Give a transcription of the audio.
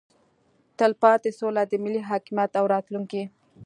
تلپاتې سوله د ملي حاکمیت او راتلونکي